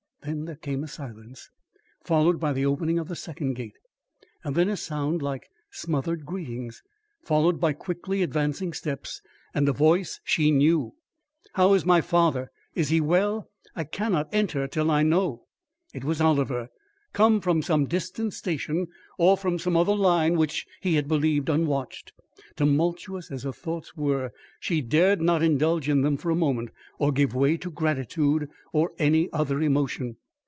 Then there came a silence, followed by the opening of the second gate. Then, a sound like smothered greetings, followed by quickly advancing steps and a voice she knew: "How is my father? Is he well? I cannot enter till I know." It was Oliver! come from some distant station, or from some other line which he had believed unwatched. Tumultuous as her thoughts were, she dared not indulge in them for a moment, or give way to gratitude or any other emotion.